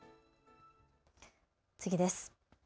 次です。